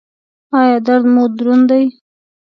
ایا درد مو دروند دی؟